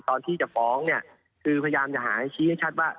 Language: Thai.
ตอนที่จะฟ้องเนี่ยคือพยายามจะหาให้ชี้ให้ชัดว่า